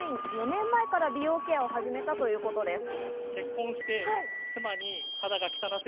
４年前から美容ケアを始めたということです。